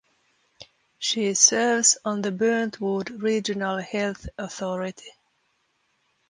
She serves on the Burntwood Regional Health Authority.